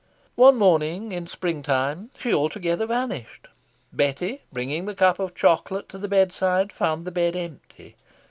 One morning, in Spring time, she altogether vanished. Betty, bringing the cup of chocolate to the bedside, found the bed empty.